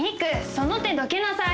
その手どけなさい！